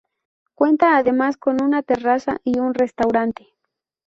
Cuenta además con una terraza y un restaurante.